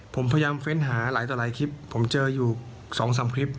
ผมพยายามเฟ้นหาหลายต่อหลายคลิปผมเจออยู่๒๓คลิป